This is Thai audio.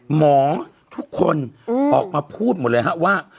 หมอทุกคนออกมาพูดหมดเลยฮะว่า